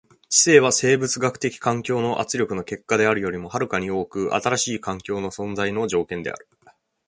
知性は生物学的環境の圧力の結果であるよりも遥かに多く新しい環境の存在の条件である。